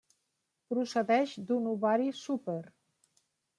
Procedeix d'un ovari súper.